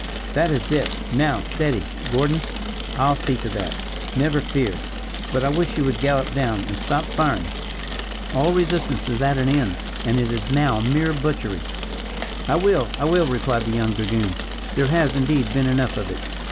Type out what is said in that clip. That is it. Now steady. Gordon, I'll see to that never fear. But I wish you would gallop down, and stop firing. All resistance is at an end, and it is now mere butchery." "I will, I will," replied the young dragoon; "there has, indeed, been enough of it."